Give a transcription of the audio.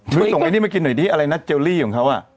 ส่งไอ้นี่มากินหน่อยดิอะไรนะเจลลี่ของเขา